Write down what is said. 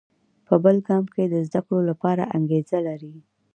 په بل ګام کې د زده کړو لپاره انګېزه لري.